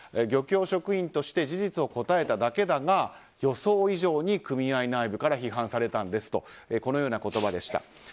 漁協職員として事実を答えただけだが予想以上に組合内部から批判されたんですとこのような言葉でした。